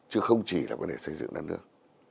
chứ không chỉ là vấn đề xây dựng đất nước